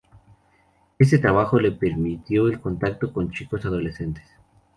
Ese trabajo le permitió el contacto con chicos adolescentes.